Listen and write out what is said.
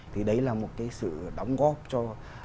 thì đấy là một cái sự đóng góp cho